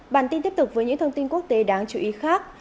bản tin tiếp tục với những thông tin quốc tế đáng chú ý khác